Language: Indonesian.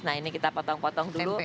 nah ini kita potong potong dulu